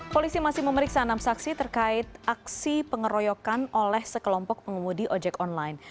polisi masih memeriksa enam saksi terkait aksi pengeroyokan oleh sekelompok pengemudi ojek online